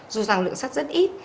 dù rằng lượng sắt rất ít